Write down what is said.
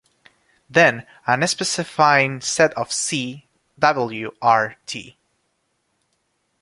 Then a specifying set for c w.r.t.